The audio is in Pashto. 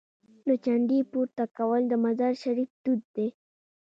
د جنډې پورته کول د مزار شریف دود دی.